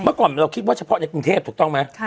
เมื่อก่อนเราคิดว่าเฉพาะในกรุงเทพถูกต้องไหม